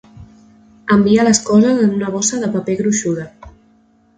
Envia les coses en una bossa de paper gruixuda.